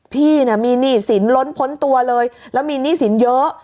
พี่มีหนี้สินล้นพ้นตัวเลยแล้วมีหนี้สินเยอะ